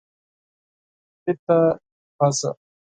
پیته پزه